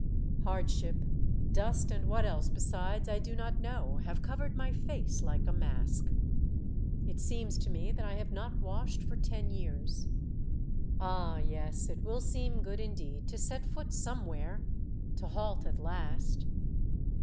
Hardship, dust, and what else besides I do not know, have covered my face, like a mask. It seems to me that I have not washed for ten years. Ah, yes ! it will seem good indeed to set foot somewhere, to halt at last.